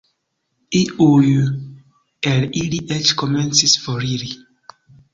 Iuj el ili eĉ komencis foriri.